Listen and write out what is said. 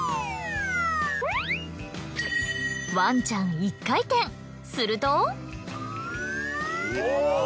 ワンちゃん１回転すると。